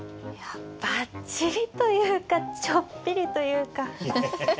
いやばっちりというかちょっぴりというか。